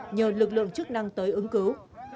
nhờ lực lượng chức năng tới ứng cứu